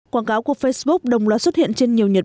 quảng cáo của facebook đồng loạt xuất hiện trên nhiều nhật